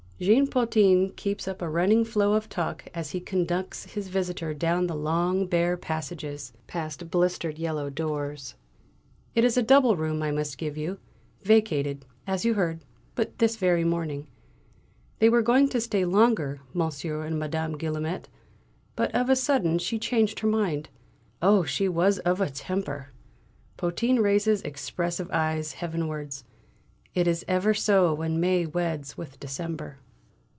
Jean Potin keeps up a running flow of talk as he conducts his visitor down the long bare passages, past blistered yellow doors. "It is a double room I must give you, vacated, as you heard, but this very morning. They were going to stay longer, Monsieur and Madame Guillaumet, but of a sudden she changed her mind. Oh, she was of a temper!" Potin raises expressive eyes heavenwards. "It is ever so when May weds with December."